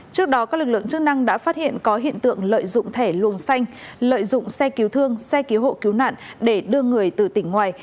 trước đó các lực lượng chức năng đã phát hiện có hiện tượng lợi dụng thẻ luồng xanh lợi dụng xe cứu thương xe cứu hộ cứu nạn để đưa người từ tỉnh ngoài